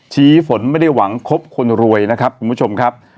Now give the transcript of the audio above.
ชี้ฝนไม่ได้หวังคบคนรวยนะครับคุณผู้ชมครับ